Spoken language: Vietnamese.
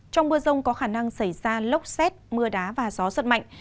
trong mưa rông có khả năng xảy ra lốc xét mưa đá và gió giật mạnh